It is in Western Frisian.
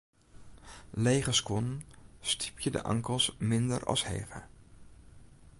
Lege skuon stypje de ankels minder as hege.